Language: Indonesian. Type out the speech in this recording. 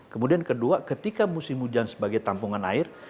kemudian kedua ketika musim hujan sebagai tampungan air